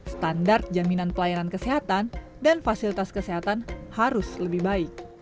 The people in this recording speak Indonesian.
standar jaminan pelayanan kesehatan dan fasilitas kesehatan harus lebih baik